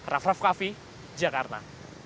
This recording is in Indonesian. rafraf kaffi jakarta